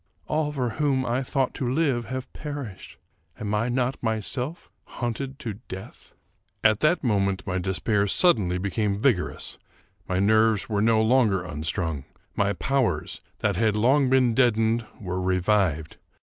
All for whom I ought to live have perished. Am I not myself hunted to death ?" At that moment my despair suddenly became vigorous. My nerves were no longer unstrung. My powers, that had long been deadened, were revived.